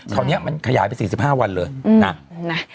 คราวนี้มันขยายไป๔๕วันเลยนะ